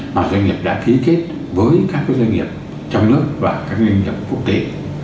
mà doanh nghiệp đã ký kết với các doanh nghiệp trong nước và các doanh nghiệp quốc tế